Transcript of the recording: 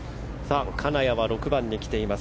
金谷は６番に来ています。